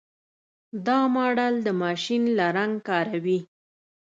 دا ماډل د ماشین لرنګ کاروي.